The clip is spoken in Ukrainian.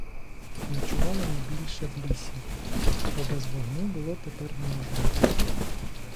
Ночували найбільше в лісі, бо без вогню було тепер неможливо.